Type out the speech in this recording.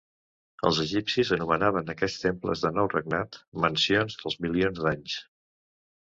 Els egipcis anomenaven aquests temples del nou regnat "mansions dels milions d'anys".